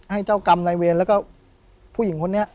ให้เจ้ากรรมนายเวรแล้วก็ผู้หญิงคนนี้